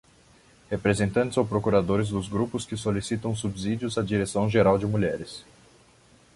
Representantes ou procuradores dos grupos que solicitam subsídios à Direção Geral de Mulheres.